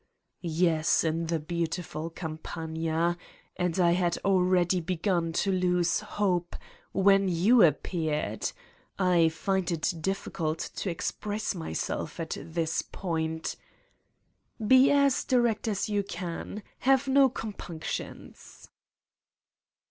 "Yes, in the beautiful Campagna ... and I had already begun to lose hope, when you ap peared. I find it difficult to express myself at this point ..." "Be as direct as you can. Have no compunc tions.